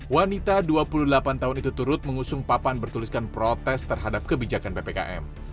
wanita dua puluh delapan tahun itu turut mengusung papan bertuliskan protes terhadap kebijakan ppkm